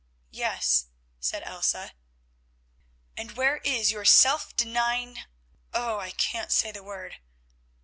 "Yes," said Elsa. "And where is your self denying—oh! I can't say the word."